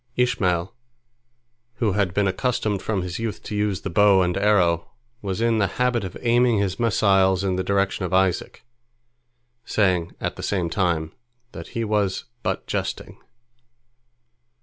Ishmael, who had been accustomed from his youth to use the bow and arrow, was in the habit of aiming his missiles in the direction of Isaac, saying at the same time that he was but jesting.